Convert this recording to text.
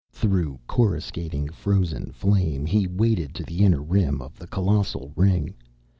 Through coruscating frozen flame he waded to the inner rim of the colossal ring.